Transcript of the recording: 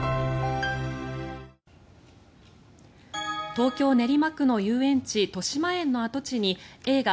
東京・練馬区の遊園地としまえんの跡地に映画